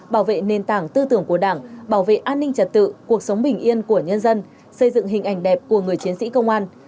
bảo vệ nền tảng tư tưởng của đảng bảo vệ an ninh trật tự cuộc sống bình yên của nhân dân xây dựng hình ảnh đẹp của người chiến sĩ công an